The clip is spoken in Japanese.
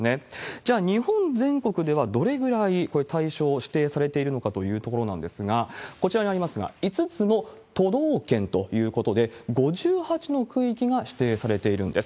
じゃあ、日本全国ではどれぐらいこれ、対象指定されているのかというところなんですが、こちらにありますが、５つの都道県ということで、５８の区域が指定されているんです。